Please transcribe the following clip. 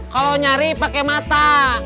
kalau nyari pake mata